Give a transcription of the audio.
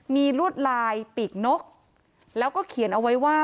มีลวดลายปีกนกแล้วก็เขียนเอาไว้ว่า